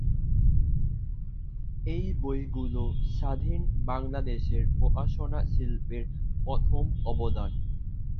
এই বইগুলো স্বাধীন বাংলাদেশের প্রকাশনা শিল্পের প্রথম অবদান।